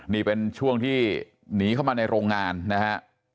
นี่เป็นช่วงที่หนีเข้ามาในโรงงานนะฮะ